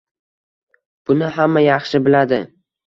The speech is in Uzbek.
Buni hamma yaxshi biladi